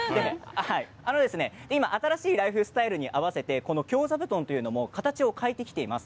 今、新しいライフスタイルに合わせて京座布団、形を変えてきています。